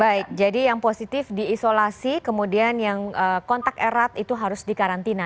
baik jadi yang positif diisolasi kemudian yang kontak erat itu harus dikarantina